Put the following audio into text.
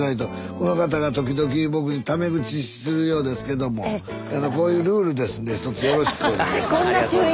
この方が時々僕にタメ口するようですけどもこういうルールですんでひとつよろしくお願いします。